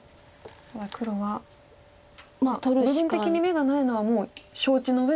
ただ黒は部分的に眼がないのはもう承知のうえで。